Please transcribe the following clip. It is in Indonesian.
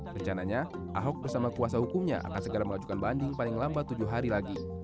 rencananya ahok bersama kuasa hukumnya akan segera mengajukan banding paling lambat tujuh hari lagi